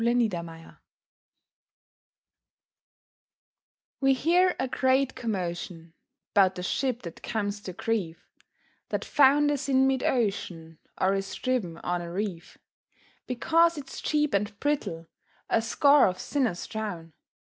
0 Autoplay We hear a great commotion 'Bout the ship that comes to grief, That founders in mid ocean, Or is driven on a reef; Because it's cheap and brittle A score of sinners drown.